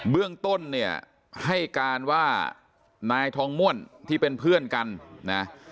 เรื่องต้นเนี่ยให้การว่านายทองม่วนที่เป็นเพื่อนกันนะ